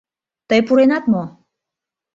Тый пуренат мо?